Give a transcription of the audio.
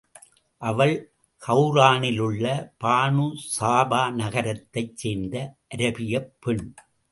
அவள் ஹவுரானிலுள்ள பானுசாபா நகரத்தைச் சேர்ந்த அரபியப் பெண்.